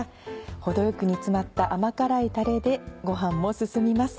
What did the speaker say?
程よく煮詰まった甘辛いタレでご飯も進みます。